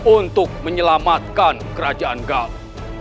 untuk menyelamatkan kerajaan galau